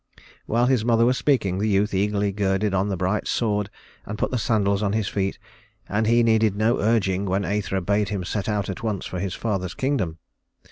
While his mother was speaking, the youth eagerly girded on the bright sword and put the sandals on his feet, and he needed no urging when Æthra bade him set out at once for his father's kingdom.